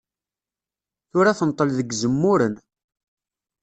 Tura tenṭel deg Zemmuren.